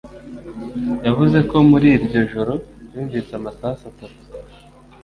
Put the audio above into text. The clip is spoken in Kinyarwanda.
yavuze ko muri iryo joro yumvise amasasu atatu